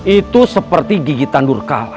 itu seperti gigitan durkala